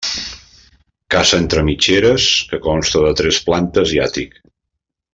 Casa entre mitgeres que consta de tres plantes i àtic.